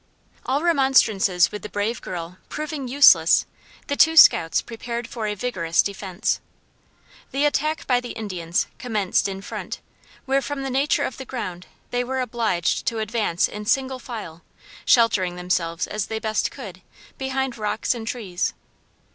All remonstrances with the brave girl proving useless, the two scouts prepared for a vigorous defense. The attack by the Indians commenced in front, where from the nature of the ground they were obliged to advance in single file, sheltering themselves as they best could, behind rocks and trees.